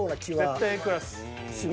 絶対Ａクラス。